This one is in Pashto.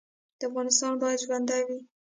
افغانستان باید ژوندی وي